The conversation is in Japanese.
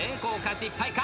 失敗か？